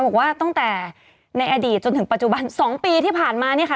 บอกว่าตั้งแต่ในอดีตจนถึงปัจจุบัน๒ปีที่ผ่านมาเนี่ยค่ะ